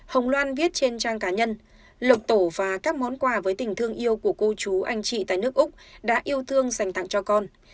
hồng loan viết trên trang cá nhân lộc tổ và các món quà với tình thương yêu của cô chú anh chị tại nước úc đã yêu thương dành tặng cho con